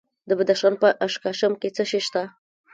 د بدخشان په اشکاشم کې څه شی شته؟